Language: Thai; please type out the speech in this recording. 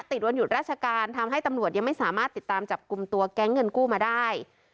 ติดวันหยุดราชการทำให้ตำรวจยังไม่สามารถติดตามจับกลุ่มตัวแก๊งเงินกู้มาได้